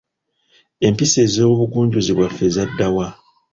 Empisa ez’obugunjuzi bwaffe zadda wa?